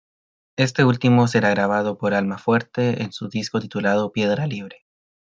Este último será grabado por Almafuerte en su disco titulado "Piedra Libre".